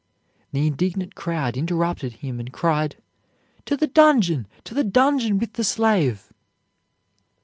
The indignant crowd interrupted him and cried, "To the dungeon, to the dungeon with the slave."